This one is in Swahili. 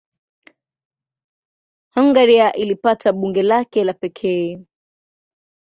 Hungaria ilipata bunge lake la pekee.